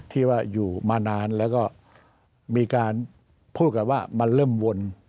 ที่ว่าอยู่มานานแล้วก็มีการพูดกันว่ามันเริ่มวน